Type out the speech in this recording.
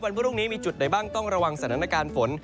พรุ่งนี้มีจุดไหนบ้างต้องระวังสถานการณ์ฝน